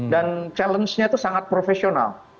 dan challenge nya itu sangat profesional